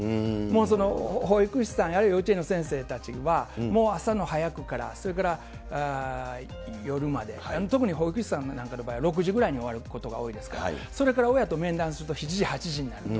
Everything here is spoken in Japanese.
その保育士さんやあるいは幼稚園の先生たちは、もう朝の早くから、それから夜まで、特に保育士さんの場合は、６時ぐらいに終わることが多いですから、それから親と面談すると、７時、８時になると。